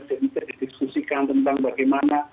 jadi bisa didiskusikan tentang bagaimana